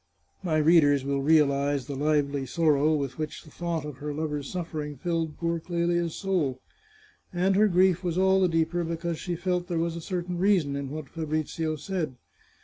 My readers will realize the lively sorrow with which the thought of her lover's suffering filled poor Clelia's soul. And her grief was all the deeper because she felt there was a certain reason in what Fabrizio said.